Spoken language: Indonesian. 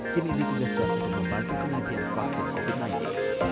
kini ditugaskan untuk membantu penelitian vaksin covid sembilan belas